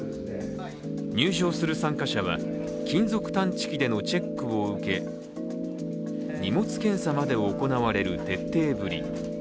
入場する参加者は金属探知機でのチェックを受け荷物検査まで行われる徹底ぶり。